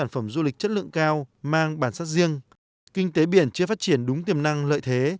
phát triển đúng tiềm năng lợi thế